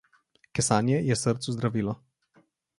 Kesanje je srcu zdravilo.